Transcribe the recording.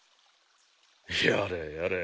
やれやれ。